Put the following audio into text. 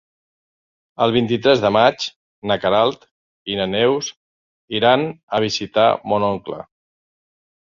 El vint-i-tres de maig na Queralt i na Neus iran a visitar mon oncle.